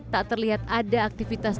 tak terlihat ada aktifitas